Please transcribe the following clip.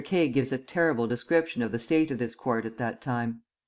Kay gives a terrible description of the state of this court at that time.